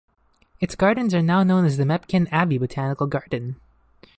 Its gardens are now known as the Mepkin Abbey Botanical Garden.